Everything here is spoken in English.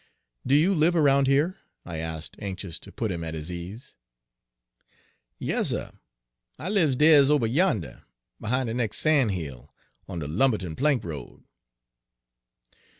"Do you live around here?" I asked, anxious to put him at his ease. "Yas, suh. I lives des ober yander, behine de nex' san' hill, on de Lumberton plank road."